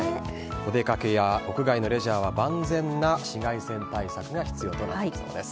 お出掛けや屋外のレジャーは万全な紫外線対策が必要となりそうです。